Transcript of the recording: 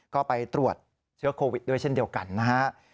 ก็ไปตรวจเชื้อโควิดด้วยเช่นเดียวกันนะฮะ